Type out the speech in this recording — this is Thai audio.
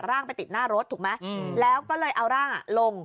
ร่างไปติดหน้ารถถูกไหมแล้วก็เลยเอาร่างลง